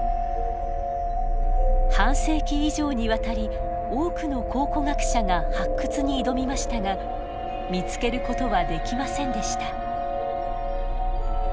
半世紀以上にわたり多くの考古学者が発掘に挑みましたが見つけることはできませんでした。